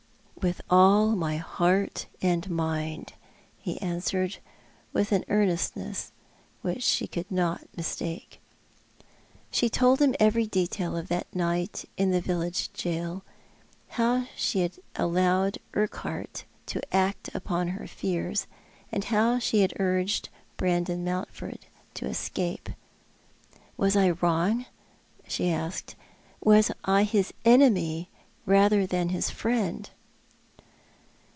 "" With all my heart and mind," he answered, with an earnest ness which she could not mistake. She told him every detail of that night in the village gaol ; how she had allowed Urquhart to act upon her fears, and how she had urged Brandon Mountford to escape. " Was I wrong ?" she said. " Was I his enemy rather than his friend